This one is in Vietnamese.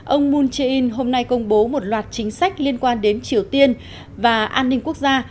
ông moon jae in hôm nay công bố một loạt chính sách liên quan đến triều tiên và an ninh quốc gia